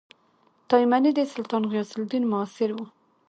تایمنى د سلطان غیاث الدین معاصر وو.